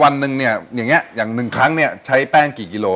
วันหนึ่งเนี่ยอย่างเงี้อย่างหนึ่งครั้งเนี่ยใช้แป้งกี่กิโล